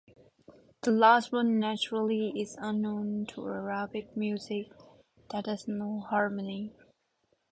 The last one naturally is unknown to Arabian music that has no harmony.